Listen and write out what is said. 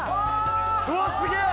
うわっすげえ！